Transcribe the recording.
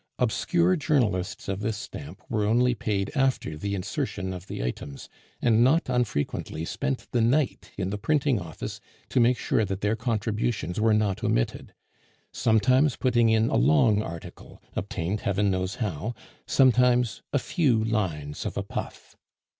Obscure journalists of this stamp were only paid after the insertion of the items, and not unfrequently spent the night in the printing office to make sure that their contributions were not omitted; sometimes putting in a long article, obtained heaven knows how, sometimes a few lines of a puff.